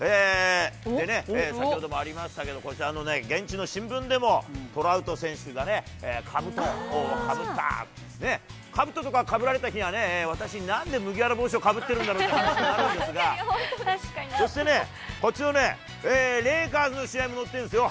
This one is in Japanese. でね、先ほどもありましたけれども、こちらのね、現地の新聞でも、トラウト選手がかぶとをかぶった、かぶととかかぶられた日にはね、私、なんで麦わら帽子をかぶってるのかってなるんですが、そしてね、こっちのね、レイカーズの試合も載ってるんですよ。